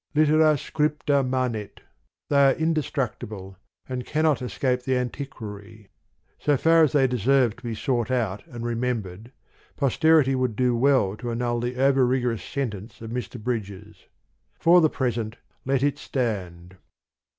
Litera scripta majiet: they are indestructible, and cannot escape the antiquary : so far as they deserve to be sought out and remembered, posterity will do well to annul the over rigorous sen tence of Mr. Bridges. For the present, let it stand.